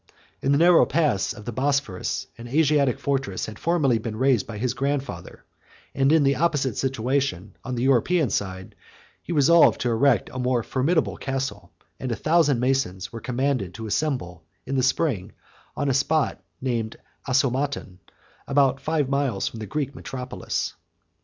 In the narrow pass of the Bosphorus, an Asiatic fortress had formerly been raised by his grandfather; in the opposite situation, on the European side, he resolved to erect a more formidable castle; and a thousand masons were commanded to assemble in the spring on a spot named Asomaton, about five miles from the Greek metropolis.